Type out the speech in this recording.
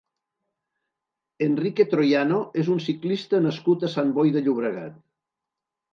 Enrique Troyano és un ciclista nascut a Sant Boi de Llobregat.